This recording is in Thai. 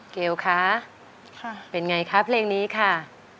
เกลคะเป็นไงคะเพลงนี้ค่ะ